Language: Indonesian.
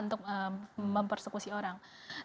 untuk mempersekusi orang